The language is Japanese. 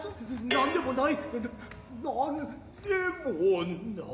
何でもない。